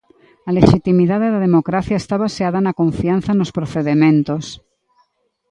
A lexitimidade da democracia está baseada na confianza nos procedementos.